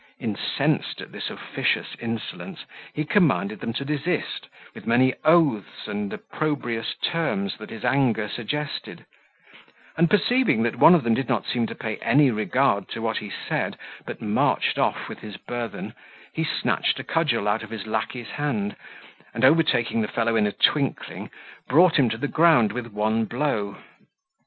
Incensed at this officious insolence, he commanded them to desist, with many oaths and opprobrious terms that his anger suggested; and perceiving, that one of them did not seem to pay any regard to what he said, but marched off with his burthen, he snatched a cudgel out of his lacquey's hand, and overtaking the fellow in a twinkling, brought him to the ground with one blow.